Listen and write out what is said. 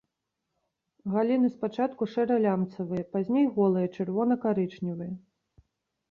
Галіны спачатку шэра-лямцавыя, пазней голыя, чырвона-карычневыя.